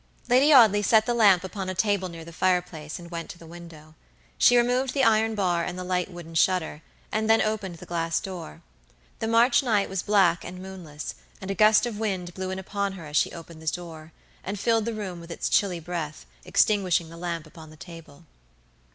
Lady Audley set the lamp upon a table near the fireplace, and went to the window. She removed the iron bar and the light wooden shutter, and then opened the glass door. The March night was black and moonless, and a gust of wind blew in upon her as she opened this door, and filled the room with its chilly breath, extinguishing the lamp upon the table.